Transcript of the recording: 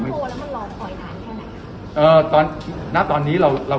ไม่แน่ใจว่าโทรหรือยัง